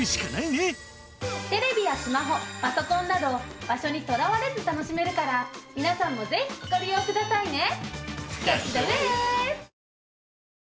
テレビやスマホパソコンなど場所にとらわれず楽しめるから皆さんもぜひご利用くださいね。